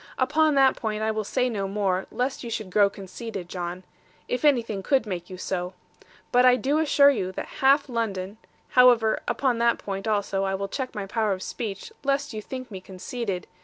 Upon that point, I will say no more, lest you should grow conceited, John; if anything could make you so. But I do assure you that half London however, upon that point also I will check my power of speech, lest you think me conceited.